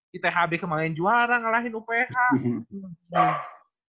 di thb kemarin juara ngalahin uph